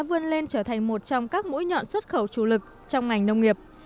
vươn lên trở thành một trong các mũi nhọn xuất khẩu chủ lực trong ngành nông nghiệp